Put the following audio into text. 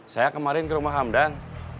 saya kemarin ke rumah hamdan